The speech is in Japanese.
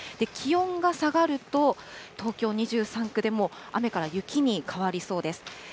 気温が下がると、東京２３区でも雨から雪に変わりそうです。